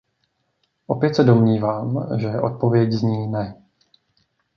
Opět se domnívám, že odpověď zní ne.